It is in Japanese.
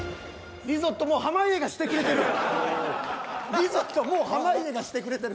リゾットもう濱家がしてくれてる！